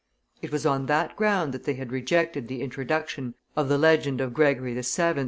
It was on that ground that they had rejected the introduction of the Legend of, Gregory VII.